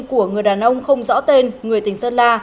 của người đàn ông không rõ tên người tỉnh sơn la